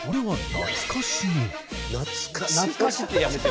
懐かしは。